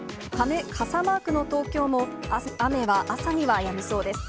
傘マークの東京も、雨は朝にはやみそうです。